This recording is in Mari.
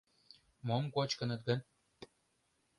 Мом кочкыныт гын?